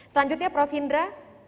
selanjutnya prof hindra